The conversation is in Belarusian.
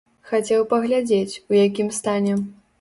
Хацеў паглядзець, у якім стане.